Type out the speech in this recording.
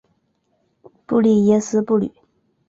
布利耶斯布吕。